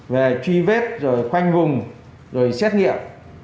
về truy vết rồi khoanh vùng rồi xét nghiệm